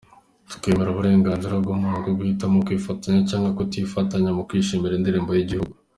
"Twemera uburenganzira bw'umuntu bwo guhitamo kwifatanya cyangwa kutifatanya mu kwishimira indirimbo y'igihugu.